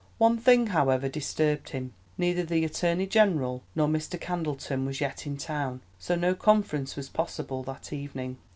One thing, however, disturbed him: neither the Attorney General nor Mr. Candleton was yet in town, so no conference was possible that evening.